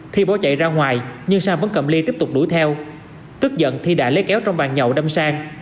thì bỏ chạy ra ngoài nhưng sang vẫn cầm ly tiếp tục đuổi theo tức giận thi đã lấy kéo trong bàn nhậu đâm sang